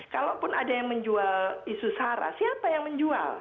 kalaupun ada yang menjual isu sara siapa yang menjual